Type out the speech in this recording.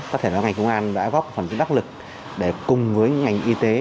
có thể là ngành công an đã góp phần đắc lực để cùng với ngành y tế